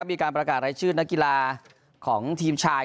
มีการประกาศรายชื่อนักกีฬาของทีมชาย